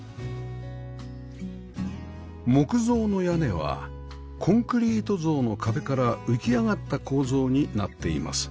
木造の屋根はコンクリート造の壁から浮き上がった構造になっています